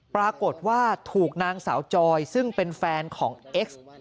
ปรากฏว่าถูกนางสาวจอยซึ่งเป็นแฟนของเอ็กซ์